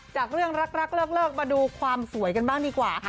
จากเรื่องรักเลิกมาดูความสวยกันบ้างดีกว่าค่ะ